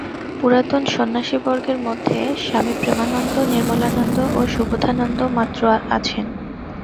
পুরাতন সন্ন্যাসিবর্গের মধ্যে স্বামী প্রেমানন্দ, নির্মলানন্দ ও সুবোধানন্দ মাত্র আছেন।